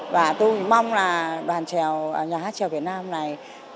và tôi mong là đoàn trèo nhà hát trèo việt nam này